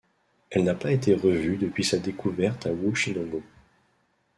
Elle n'a pas été revue depuis sa découverte à Huauchinango.